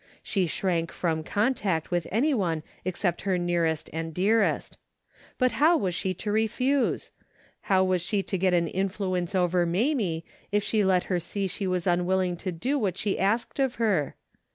She shrank from contact with any one except her nearest and dearest. But how was she to refuse ? How was she to get an influence over Mamie if she let her see she was unwilling to do what she asked of her